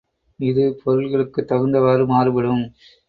இது பொருள்களுக்குத் தகுந்தவாறு மாறுபடும்.